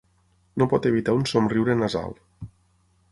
No pot evitar un somriure nasal.